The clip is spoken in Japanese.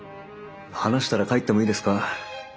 話したら帰ってもいいですか？